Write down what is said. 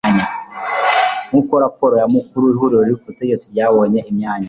Nkuko raporo yamakuru ibivuga ihuriro riri ku butegetsi ryabonye imyanya